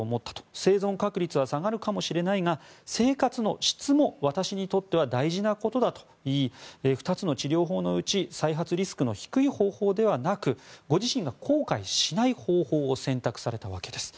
生存確率は下がるかもしれないが生活の質も私にとっては大事なことだと言い２つの治療法のうち再発リスクの低い方法ではなくご自身が後悔しない方法を選択されたわけです。